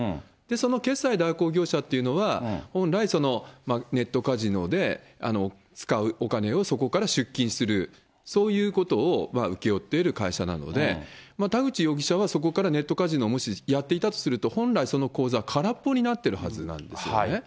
その決済代行業者っていうのは、本来ネットカジノで使うお金をそこから出金する、そういうことを請け負っている会社なので、田口容疑者はそこからネットカジノをもしやっていたとすると、本来その口座、空っぽになってるはずなんですよね。